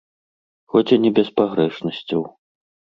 Хоць і не без пагрэшнасцяў.